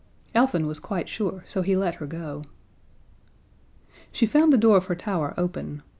Elfin was quite sure, so he let her go. She found the door of her tower open.